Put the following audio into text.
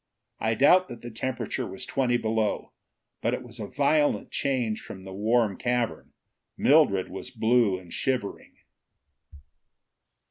I doubt that the temperature was twenty below. But it was a violent change from the warm cavern. Mildred was blue and shivering.